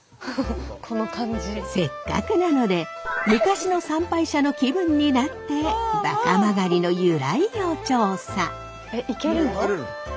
せっかくなので昔の参拝者の気分になって馬鹿曲の由来を調査！